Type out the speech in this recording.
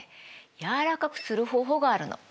柔らかくする方法があるの。